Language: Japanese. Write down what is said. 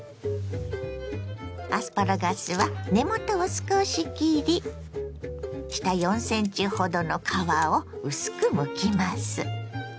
アスパラガスは根元を少し切り下４ｃｍほどの皮を薄くむきます。